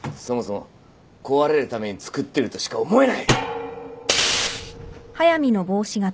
そもそも壊れるために造ってるとしか思えない。